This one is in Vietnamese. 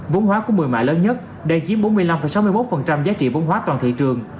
vốn hóa của một mươi mải lớn nhất đã chiếm bốn mươi năm sáu mươi một giá trị vốn hóa toàn thị trường